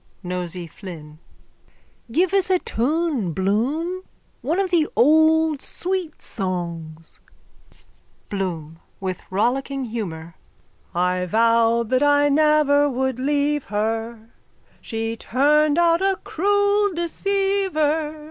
NOSEY FLYNN: Give us a tune, Bloom. One of the old sweet songs. BLOOM: (With rollicking humour.) I vowed that I never would leave her, She turned out a cruel deceiver.